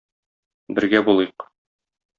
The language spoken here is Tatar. Бергә булыйк!